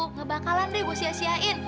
nggak bakalan deh gue sia siain